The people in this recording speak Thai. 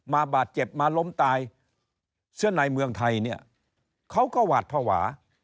บาดเจ็บมาล้มตายเสื้อในเมืองไทยเนี่ยเขาก็หวาดภาวะ